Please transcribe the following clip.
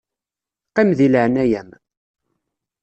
Qqim di leɛnaya-m.